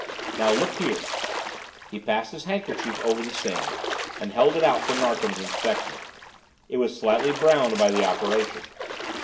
Now look here." He passed his handkerchief over the stain, and held it out for Narkom's inspection. It was slightly browned by the operation.